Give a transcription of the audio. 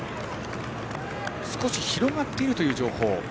少し広がっているという情報。